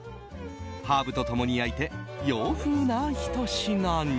ハーブと共に焼いて洋風なひと品に。